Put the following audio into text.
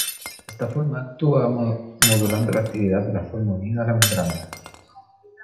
Esta forma actúa modulando la actividad de la forma unida a la membrana.